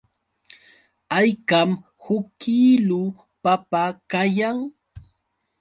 ¿Haykam huk kiilu papa kayan?